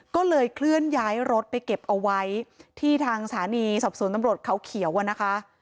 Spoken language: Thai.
ก็เลยเคลื่อนย้ายรถไปเก็บเอาไว้ที่ทางสถานีสอบสวนตำรวจเขาเขียวอะนะคะ